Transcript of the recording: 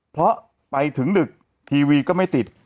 เพราะไปถึงดึกทีวีก็ไม่ติด